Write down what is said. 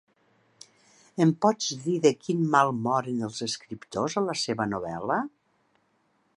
Em pots dir de quin mal moren els escriptors a la seva novel·la?